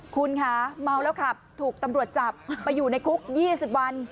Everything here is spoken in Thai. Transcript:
คุณค่ะเมาแล้วขับถูกตำรวจจับไปอยู่ในคุก๒๐วัน